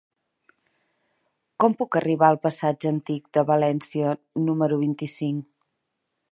Com puc arribar al passatge Antic de València número vint-i-cinc?